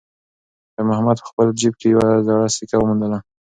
خیر محمد په خپل جېب کې یوه زړه سکه وموندله.